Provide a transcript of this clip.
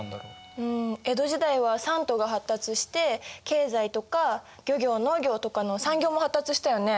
江戸時代は三都が発達して経済とか漁業農業とかの産業も発達したよね。